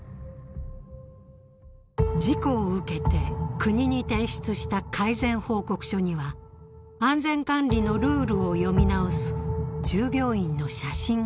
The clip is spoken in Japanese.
事故を受けて国に提出した改善報告書には安全管理のルールを読み直す従業員の写真が載っていた。